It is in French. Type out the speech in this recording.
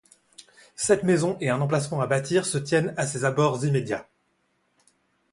Sept maisons et un emplacement à bâtir se tiennent à ses abords immédiats.